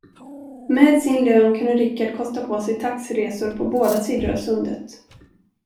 Med sin lön kunde Richard kosta på sig taxiresor på båda sidor av sundet.